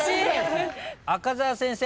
赤澤先生